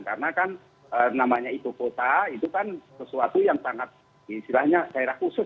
karena kan namanya itu kota itu kan sesuatu yang sangat diisilahnya daerah khusus